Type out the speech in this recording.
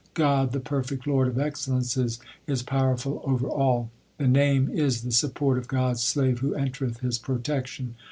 God, the perfect Lord of excellences, is powerful over all. The Name is the support of God s slave who entereth His protection.